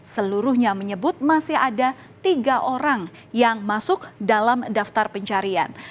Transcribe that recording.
seluruhnya menyebut masih ada tiga orang yang masuk dalam daftar pencarian